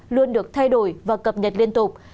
luôn được thay đổi và cập nhật liên tục